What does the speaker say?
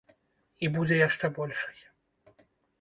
І будзе яшчэ большай.